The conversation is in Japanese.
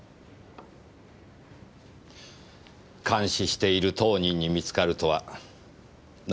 監視している当人に見つかるとはなんとも。